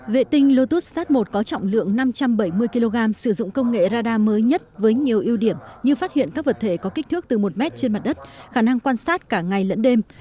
vệ tinh lotus start i có trọng lượng năm trăm bảy mươi kg sử dụng công nghệ radar mới nhất với nhiều ưu điểm như phát hiện các vật thể có kích thước từ một mét trên mặt đất khả năng quan sát cả ngày lẫn đêm